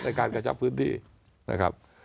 ในการกระชับพื้นที่นะครับ